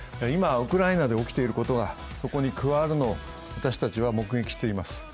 今、ウクライナで起きていることがそこに加わるのを私たちは目撃しています。